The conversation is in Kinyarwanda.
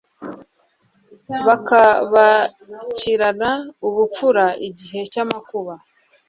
bakabakirana ubupfura igihe cy'amakuba